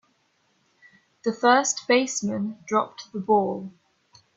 The first baseman dropped the ball.